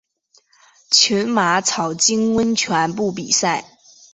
群马草津温泉部比赛。